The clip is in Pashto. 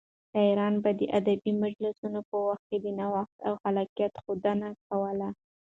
شاعران به د ادبي مجلسونو په وخت د نوښت او خلاقيت ښودنه کوله.